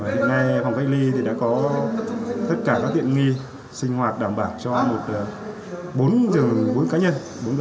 hiện nay phòng cách ly thì đã có tất cả các tiện nghi sinh hoạt đảm bảo cho bốn giai cá nhân